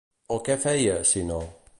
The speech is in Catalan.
O què feia, si no?